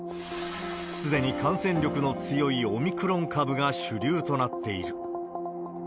すでに感染力の強いオミクロン株が主流となっている。